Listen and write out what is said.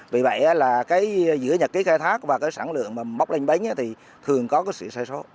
vì vậy là giữa nhật ký khai thác và sản lượng bóc lênh bánh thì thường có sự sai số